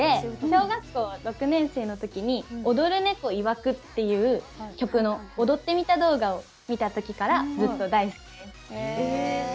小学校６年生のときに「踊ル猫曰ク」という曲の踊ってみた動画を見た時からずっと大好きです。